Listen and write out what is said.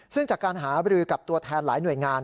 ซึ่งจากการหาบรือกับตัวแทนหลายหน่วยงาน